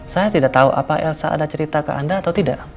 saya tidak tahu apa elsa ada cerita ke anda atau tidak